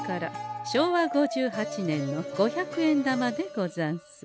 昭和５８年の五百円玉でござんす。